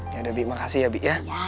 ya udah bi makasih ya bi